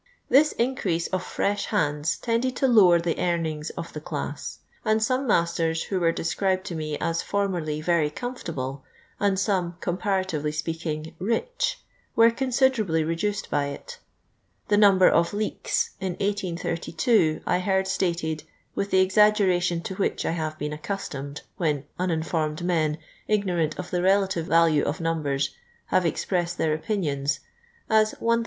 This increase of fresh liands tended to lower the earnings of the class ; and some masters, who were described to me us formerly Tery "comfortable," and some, comparatively speaking, rich, were considerably reduced by it. Thenumberof ''leeks" in 1832 I heard stated, with the exaggeration to which I have been a4;custamcd when iininforincd men, ignorant of tiie relative Talue of numbers, have expressed their opinions, as 1000 !